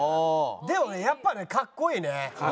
でもねやっぱねかっこいいね。